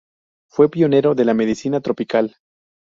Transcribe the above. Fue pionero de la medicina tropical.